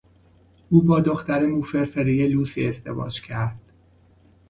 او با دختر مو فرفری لوسی ازدواج کرد.